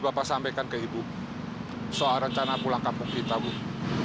bapak gak bakal bisa hidup tenang tinggal di ciamis